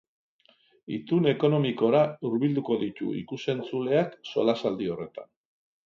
Itun ekonomikora hurbilduko ditu ikus-entzuleak solasaldi horretan.